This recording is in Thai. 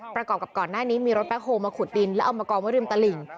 ประกอบกับก่อนหน้านี้มีรถแคคโฮลมาขุดดินแล้วเอามากองไว้ริมตลิ่ง